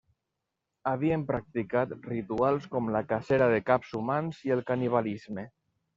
Havien practicat rituals com la cacera de caps humans i el canibalisme.